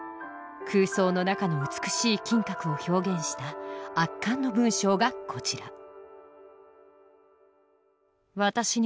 空想の中の美しい金閣を表現した圧巻の文章がこちら！